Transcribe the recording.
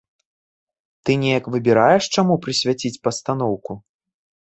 Ты неяк выбіраеш, чаму прысвяціць пастаноўку?